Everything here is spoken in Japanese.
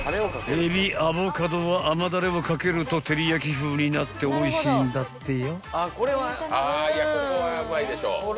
［えびアボカドは甘だれをかけると照り焼き風になっておいしいんだってよ］